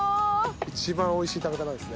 一番おいしい食べ方ですね。